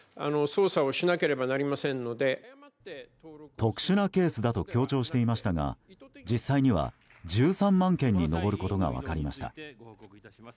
特殊なケースだと強調していましたが実際には１３万件に上ることが分かりました。